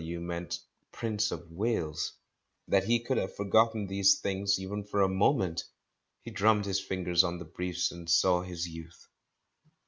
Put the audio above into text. W." meant "Prince of Wales's." That he could have forgotten these things even for a moment! He drummed his fingers on the briefs, and saw his Youth.